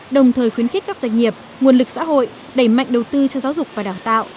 đồng thời khuyến khích các doanh nghiệp nguồn lực xã hội đẩy mạnh đầu tư cho giáo dục và đào tạo